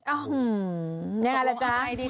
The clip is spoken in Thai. ผมจะไปทรงของเนี่ยอาหารผมก็ยังอยู่ในนี้